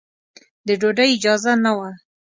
د ډوډۍ اجازه نه وه.